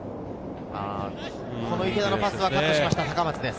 池田のパスはカットしました高松です。